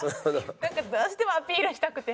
なんかどうしてもアピールしたくて！